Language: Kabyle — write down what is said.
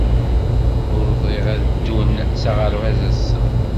Ur bɣin ad ddun s aɣerbaz ass-a.